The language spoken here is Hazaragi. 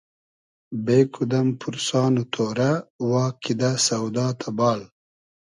بې کودئم پورسان و تۉرۂ وا کیدۂ سۆدا تئبال